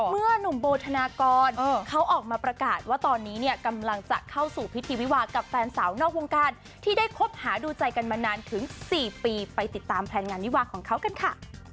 หนุ่มโบธนากรเขาออกมาประกาศว่าตอนนี้เนี่ยกำลังจะเข้าสู่พิธีวิวากับแฟนสาวนอกวงการที่ได้คบหาดูใจกันมานานถึง๔ปีไปติดตามแพลนงานวิวาของเขากันค่ะ